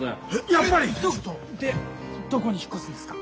やっぱり！でどこに引っ越すんですか？